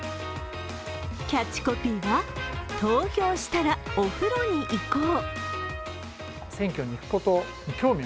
キャッチコピーは「投票したらお風呂に行こう」。